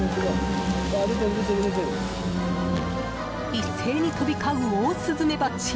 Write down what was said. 一斉に飛び交うオオスズメバチ。